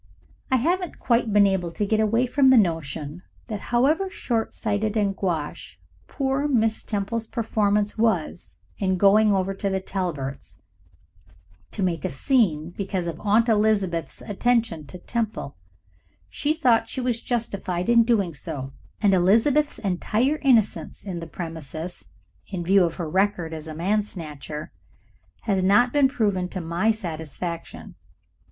I haven't quite been able to get away from the notion that however short sighted and gauche poor Mrs. Temple's performance was in going over to the Talberts' to make a scene because of Aunt Elizabeth's attentions to Temple, she thought she was justified in doing so, and Elizabeth's entire innocence in the premises, in view of her record as a man snatcher, has not been proven to my satisfaction.